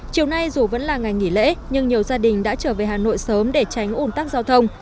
chiều nay dù vẫn là ngày nghỉ lễ nhưng nhiều gia đình đã trở về hà nội sớm để tránh ủn tắc giao thông